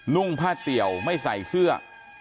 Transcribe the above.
นุ่งผ้าเตี่ยวไม่ใส่เสื้อ